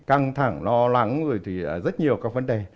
căng thẳng lo lắng rất nhiều các vấn đề